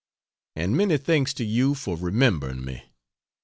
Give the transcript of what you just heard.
And many thanks to you for remembering me.